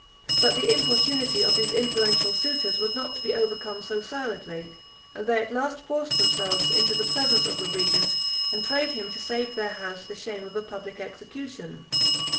But the importunity of these influential suitors was not to be overcome so silently; and they at last forced themselves into the presence of the regent, and prayed him to save their house the shame of a public execution.